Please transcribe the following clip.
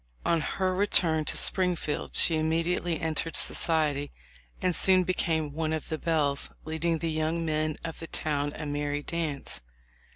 On her return to Springfield she immediately entered society, and soon became one of the belles, leading the young men of the town a merry dance.